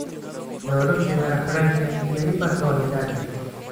Logró llegar a Francia, y de ahí pasó a Italia.